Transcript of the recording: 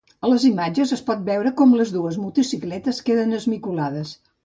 A les imatges es pot veure com les dues motocicletes queden esmicolades.